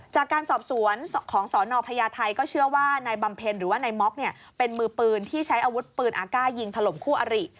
จากการสอบสวนของสนพญาไทยก็เชื่อว่านายบำเพ็ญหรือว่านายม็อกเนี่ยเป็นมือปืนที่ใช้อาวุธปืนอากาศยิงถล่มคู่อริ